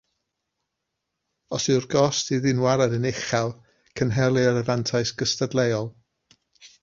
Os yw'r gost i ddynwared yn uchel, cynhelir y fantais gystadleuol.